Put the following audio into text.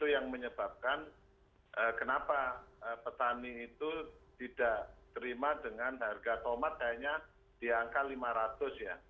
yang menyebabkan kenapa petani itu tidak terima dengan harga tomat kayaknya di angka lima ratus ya